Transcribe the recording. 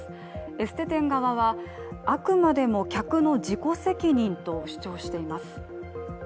エステ店側はあくまでも客の自己責任と主張しています。